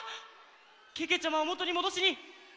けけちゃまをもとにもどしにいってきます！